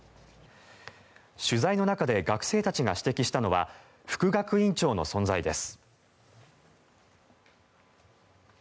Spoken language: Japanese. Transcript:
取材の中で学生たちが指摘したのは副学院長の存在です。